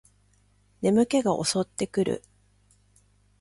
眠気が襲ってくる